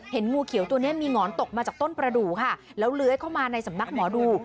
งูเขียวตัวนี้มีหงอนตกมาจากต้นประดูกค่ะแล้วเลื้อยเข้ามาในสำนักหมอดู